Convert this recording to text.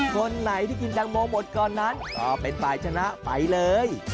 คนไหนที่กินแตงโมหมดก่อนนั้นก็เป็นฝ่ายชนะไปเลย